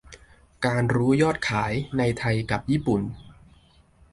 อยากรู้ยอดขาย ในไทยกับญี่ปุ่น